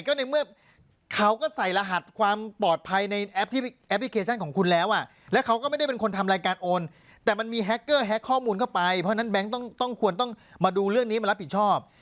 ก็ในเมื่อเขาก็ใส่รหัสความปลอดภัยในแอปที่แอปพลิเคชันของคุณแล้วอ่ะแล้วเขาก็ไม่ได้เป็นคนทำรายการโอนแต่มันมีแฮคเกอร์แฮ็กข้อมูลเข้าไปเพราะฉะนั้นแก๊งต้องควรต้องมาดูเรื่องนี้มารับผิดชอบ